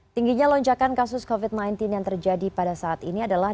tingginya lonjakan kasus covid sembilan belas yang terjadi pada saat ini adalah